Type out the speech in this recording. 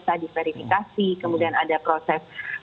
tadi verifikasi kemudian ada proses